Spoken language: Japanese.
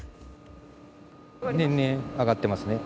年々上がっていますね。